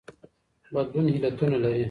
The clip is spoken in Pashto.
بدلون علتونه لري.